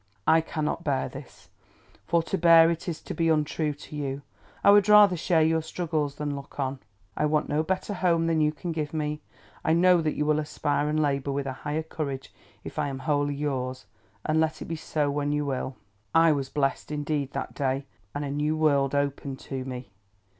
I cannot bear this, for to bear it is to be untrue to you. I would rather share your struggles than look on. I want no better home than you can give me. I know that you will aspire and labour with a higher courage if I am wholly yours, and let it be so when you will!" I was blest indeed, that day, and a new world opened to me.